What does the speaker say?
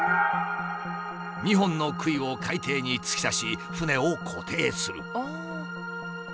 ２本の杭を海底に突き刺し船を固定する。